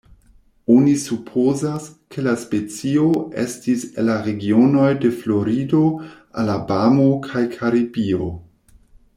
Oni supozas, ke la specio estis el la regionoj de Florido, Alabamo kaj Karibio.